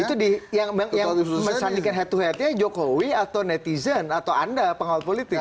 itu yang mencandingkan head to headnya jokowi atau netizen atau anda pengawal politik